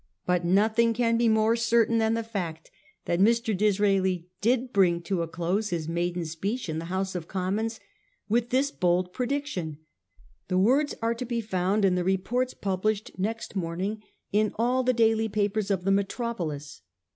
But nothing can be more certain than the fact that Mr. Disraeli did bring to a close his maiden speech in the House of Commons with this bold prediction. The words are to be found in the reports published next morning in all the daily papers of the metro polis.